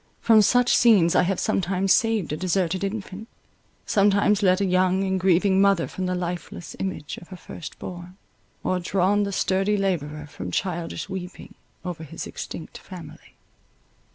From such scenes I have sometimes saved a deserted infant—sometimes led a young and grieving mother from the lifeless image of her first born, or drawn the sturdy labourer from childish weeping over his extinct family.